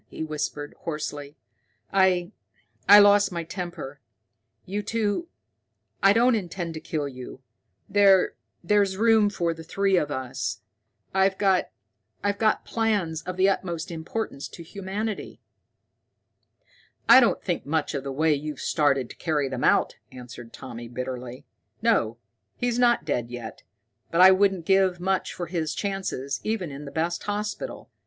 he whispered hoarsely. "I I lost my temper. You two I don't intend to kill you. There there's room for the three of us. I've got plans of the utmost importance to humanity." "I don't think much of the way you've started to carry them out," answered Tommy bitterly. "No, he's not dead yet, but I wouldn't give much for his chances, even in the best hospital.